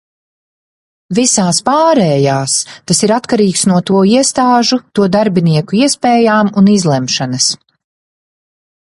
Visās pārējās tas ir atkarīgs no to iestāžu, to darbinieku iespējām un izlemšanas.